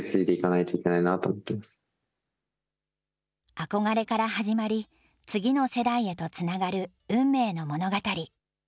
憧れから始まり、次の世代へとつながる運命の物語。